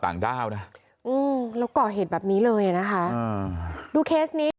ต่างด้าวนะแล้วก่อเหตุแบบนี้เลยนะคะดูเคสนี้